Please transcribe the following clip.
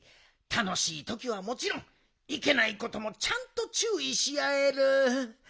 たのしいときはもちろんいけないこともちゃんとちゅういしあえる。